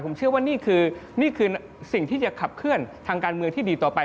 ผมเชื่อว่านี่คือนี่คือสิ่งที่จะขับเคลื่อนทางการเมืองที่ดีต่อไป